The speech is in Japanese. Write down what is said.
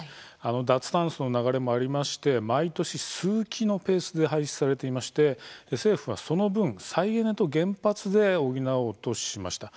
脱炭素の流れもありまして毎年数基のペースで廃止されていまして政府はその分、再エネと原発で補おうとしました。